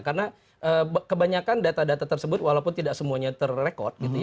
karena kebanyakan data data tersebut walaupun tidak semuanya terrekod